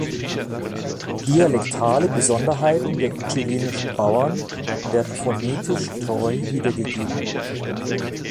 Dialektale Besonderheiten der chilenischen Bauern werden phonetisch treu wiedergegeben.